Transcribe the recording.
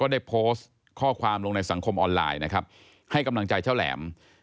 ได้โพสต์ข้อความลงในสังคมออนไลน์นะครับให้กำลังใจเจ้าแหลม